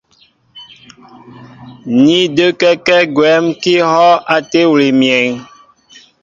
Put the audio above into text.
Ní də́kɛ́kɛ́ gwɛ̌m kɛ́ ihɔ́' á tébili myéŋ.